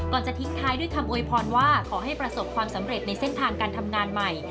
จะทิ้งท้ายด้วยคำโวยพรว่าขอให้ประสบความสำเร็จในเส้นทางการทำงานใหม่